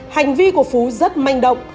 hành vi của phú rất manh động